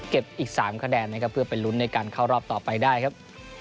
อีก๓คะแนนนะครับเพื่อไปลุ้นในการเข้ารอบต่อไปได้ครับ